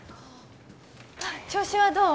調子はどう？